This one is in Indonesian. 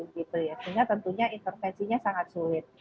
sehingga tentunya intervensinya sangat sulit